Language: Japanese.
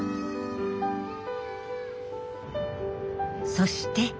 そして。